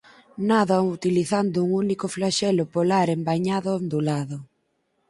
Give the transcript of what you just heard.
Nada utilizando un único flaxelo polar envaiñado ondulado.